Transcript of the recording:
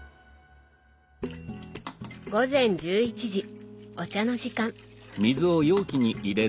午前１１時お茶の時間。